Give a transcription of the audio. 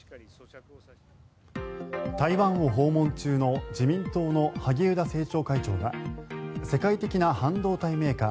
台湾を訪問中の自民党の萩生田政調会長は世界的な半導体メーカー